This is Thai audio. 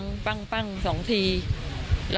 พอลูกเขยกลับเข้าบ้านไปพร้อมกับหลานได้ยินเสียงปืนเลยนะคะ